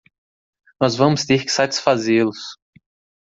Nós vamos ter que satisfazê-los.